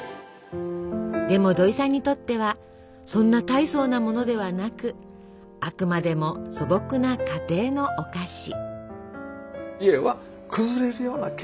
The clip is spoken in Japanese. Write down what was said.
でも土井さんにとってはそんな大層なものではなくあくまでも素朴な家庭のお菓子。